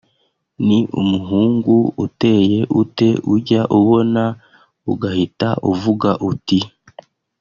ni umuhungu uteye ute ujya ubona ugahita uvuga uti